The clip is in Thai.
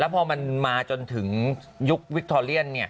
พอมันมาจนถึงยุควิคทอเลียน